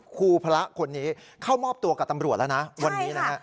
ครูพระคนนี้เข้ามอบตัวกับตำรวจแล้วนะวันนี้นะฮะ